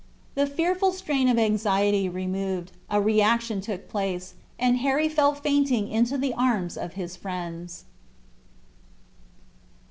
The fearful strain of anxiety removed, a reaction took place, and Harry fell fainting into the arms of his friends.